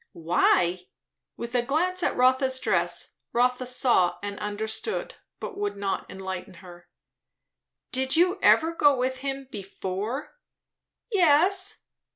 "Why " with a glance at Rotha's dress. Rotha saw and understood, but would not enlighten her. "Did you ever go with him before?" "Yes."